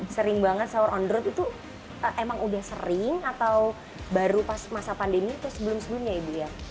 sering banget sahur on the road itu emang udah sering atau baru pas masa pandemi atau sebelum sebelumnya ibu ya